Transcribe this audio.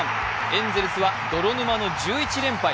エンゼルスは泥沼の１１連敗。